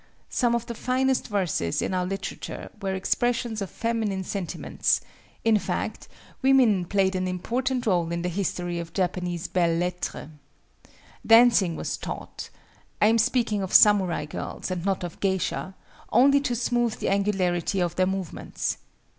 Some of the finest verses in our literature were expressions of feminine sentiments; in fact, women played an important role in the history of Japanese belles lettres. Dancing was taught (I am speaking of samurai girls and not of geisha) only to smooth the angularity of their movements.